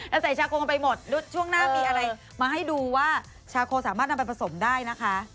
แล้วใส่ชาโกกันไปหมดช่วงหน้ามีอะไรมาให้ดูว่าชาโคสามารถนำไปผสมได้นะคะ